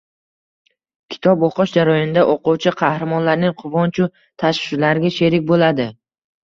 Kitob o‘qish jarayonida o‘quvchi qahramonlarning quvonchu tashvishlariga sherik bo‘ladi.